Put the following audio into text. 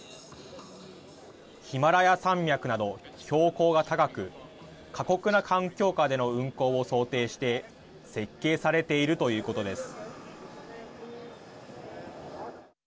ヒマラヤ山脈など標高が高く過酷な環境下での運航を想定して設計されているということです。